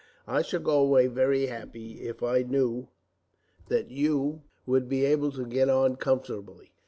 I should go away very happy, if I knew that you would be able to get on comfortably.